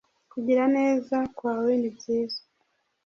kugira neza kwawenibyiza.